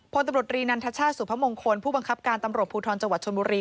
พลตำรวจรีนันทชาติสุพมงคลผู้บังคับการตำรวจภูทรจังหวัดชนบุรี